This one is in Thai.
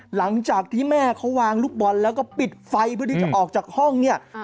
หลังจากที่แม่เขาวางลูกบอลแล้วก็ปิดไฟเพื่อที่จะออกจากห้องเนี่ย